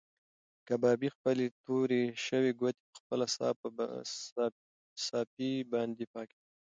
کبابي خپلې تورې شوې ګوتې په خپله صافه باندې پاکې کړې.